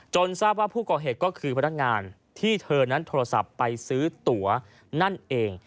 ทราบว่าผู้ก่อเหตุก็คือพนักงานที่เธอนั้นโทรศัพท์ไปซื้อตั๋วนั่นเอง